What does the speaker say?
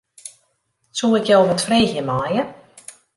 Soe ik jo wat freegje meie?